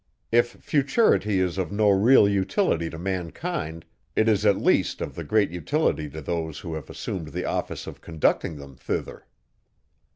If futurity is of no real utility to mankind, it is, at least, of the greatest utility to those, who have assumed the office of conducting them thither.